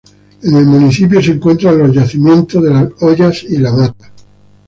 En el municipio se encuentran los yacimientos de ""Las hoyas"" y ""La mata"".